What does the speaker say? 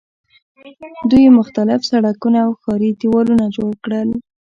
دوی مختلف سړکونه او ښاري دیوالونه جوړ کړل.